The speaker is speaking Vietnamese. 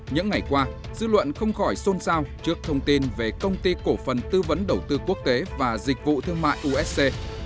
những ngày qua dư luận không khỏi xôn xao trước thông tin về công ty cổ phần tư vấn đầu tư quốc tế và dịch vụ thương mại usc